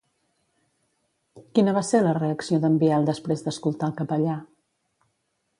Quina va ser la reacció d'en Biel després d'escoltar el capellà?